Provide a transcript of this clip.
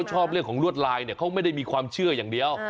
ชอบล้ายไทยหว่ะคุณ